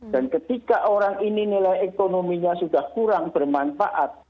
dan ketika orang ini nilai ekonominya sudah kurang bermanfaat